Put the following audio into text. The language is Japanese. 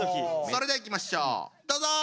それではいきましょうどうぞ！